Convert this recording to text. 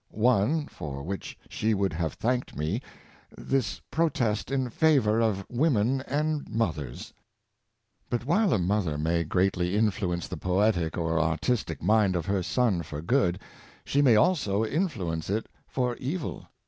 One, for which she would have thanked me — this protest in favor of women and mothers." But while a mother may greatly influence the poetic or artistic mind of her son for good, she may also in 110 Byron and F'oote. fluence it for evil.